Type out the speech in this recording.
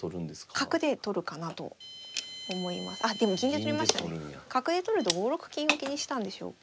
角で取ると５六金を気にしたんでしょうか。